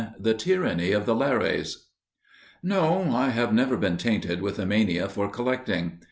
*The Tyranny of the Lares* No, I have never been tainted with a mania for collecting.